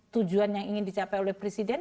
tujuan yang ingin dicapai oleh presiden